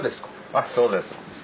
あそうです。